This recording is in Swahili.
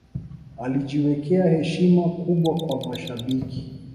alijiwekea heshima kubwa kwa mashabiki